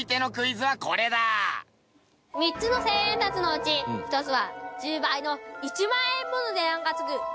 ３つの１０００円札のうち１つは１０倍の１万円もの値段がつく激